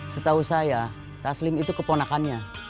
setahu saya taslim itu keponakannya